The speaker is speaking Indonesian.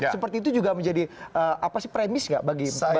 seperti itu juga menjadi premis nggak bagi para voters